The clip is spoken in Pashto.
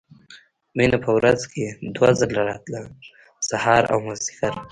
مينه په ورځ کښې دوه ځله راتله سهار او مازديګر.